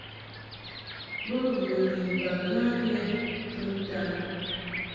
Bo ghə ni baghan lɛ kɨntan.